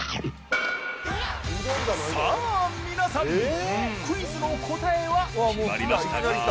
さあ皆さん、クイズの答えは決まりましたか。